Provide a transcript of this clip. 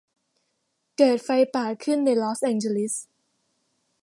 เกิดไฟป่าขึ้นในลอสแองเจลิส